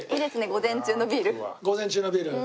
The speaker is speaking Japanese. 午前中のビール。